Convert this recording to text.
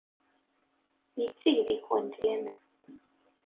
Yetteg deg-went laman.